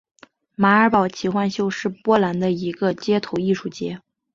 马尔堡奇幻秀是波兰的一个街头艺术节。